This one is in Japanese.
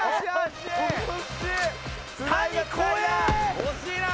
惜しいなあ！